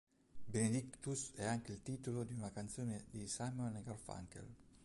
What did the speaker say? Benedictus è anche il titolo di una canzone di Simon and Garfunkel.